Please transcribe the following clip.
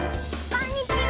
こんにちは。